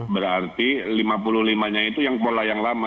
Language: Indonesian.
berarti lima puluh lima nya itu yang pola yang lama